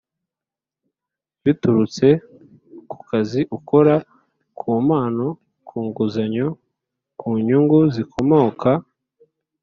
biturutse ku kazi ukora, ku mpano, ku nguzanyo, ku nyungu zikomoka